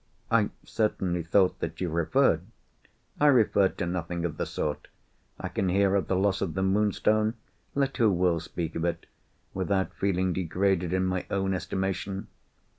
"I certainly thought that you referred——" "I referred to nothing of the sort. I can hear of the loss of the Moonstone, let who will speak of it, without feeling degraded in my own estimation.